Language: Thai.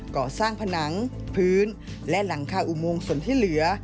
ก่อสร้างผนังพื้นและหลังคาอุโมงส่วนที่เหลือ